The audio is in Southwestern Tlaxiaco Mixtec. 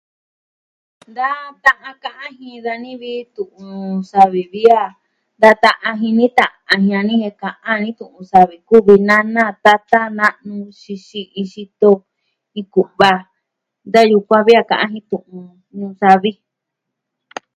Da ta'an ka'an jin da ni vi tu'un savi vi a, da ta'an jin ni a jia'an ni jen ka'an ni tu'un savi kuvi nana, tata, na'nu, xixi iin xito, iin ku'va da yukuan vi a ka'an jin tu'un ñuu savi.